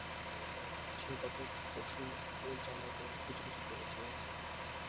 সে গত পরশু ঐ জার্নাল পেয়ে কুচিকুচি করেছিঁড়েছে।